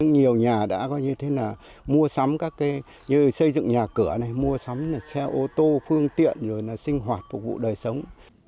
nhiều nhà đã mua sắm các cây như xây dựng nhà cửa mua sắm xe ô tô phương tiện sinh hoạt phục vụ đời sống